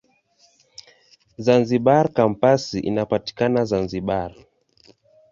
Zanzibar Kampasi inapatikana Zanzibar.